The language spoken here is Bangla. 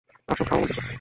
আসো, খাও আমাদের সাথে!